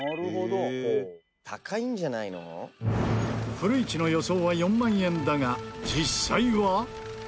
古市の予想は４万円だが実際は？